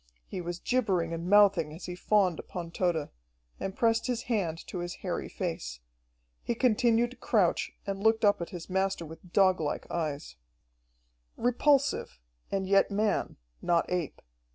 He was gibbering and mouthing as he fawned upon Tode and pressed his hand to his hairy face. He continued to crouch and looked up at his master with doglike eyes. Repulsive, and yet man, not ape.